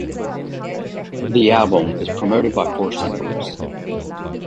The album is promoted by four singles.